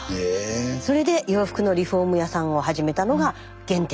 それで洋服のリフォーム屋さんを始めたのが原点だそうです。